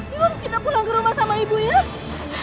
yuk kita pulang ke rumah sama ibu ya